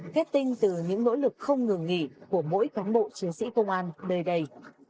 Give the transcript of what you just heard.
kết tinh từ những nỗ lực không ngừng nghỉ của mỗi cán bộ chiến sĩ công an nơi đây